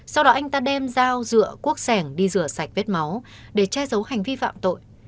sau đó anh ta đem dao dựa cuốc sẻng đi rửa sạch vết máu để che giấu hành vi phạm tội